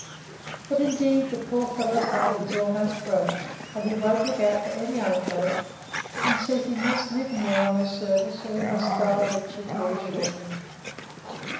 But, indeed, the poor fellow's heart is almost broke, and he won't look out for any other place; and says, he must live in your honour's service, or he must die wretched very shortly.